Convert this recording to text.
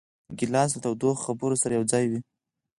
ګیلاس له تودو خبرو سره یوځای وي.